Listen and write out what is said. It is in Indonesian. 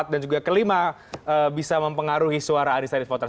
dan juga ke lima bisa mempengaruhi suara undecided voters